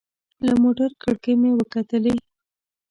له موټر کړکۍ مې وکتلې.